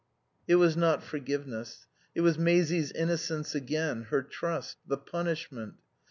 It was not forgiveness. It was Maisie's innocence again, her trust the punishment.